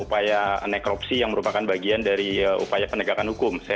upaya nekrupsi yang merupakan bagian dari upaya penegakan hukum